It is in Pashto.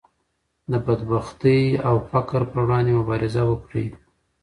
د بدبختۍ او فقر پر وړاندې مبارزه وکړئ.